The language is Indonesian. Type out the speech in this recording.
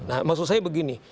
nah maksud saya begini